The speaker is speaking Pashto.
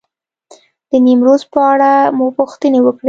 د نیمروز په اړه مو پوښتنې وکړې.